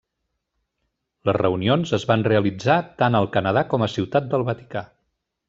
Les reunions es van realitzar tant al Canadà com a Ciutat del Vaticà.